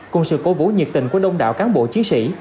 cùng sự cố vũ nhiệt tình của đông đảo cán bộ chiến sĩ